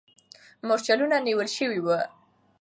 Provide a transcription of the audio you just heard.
مرچلونه نیول سوي وو.